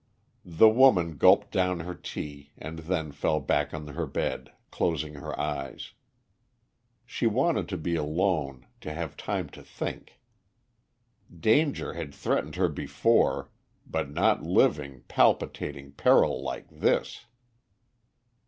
The woman gulped down her tea and then fell back on her bed, closing her eyes. She wanted to be alone, to have time to think. Danger had threatened her before, but not living, palpitating peril like this.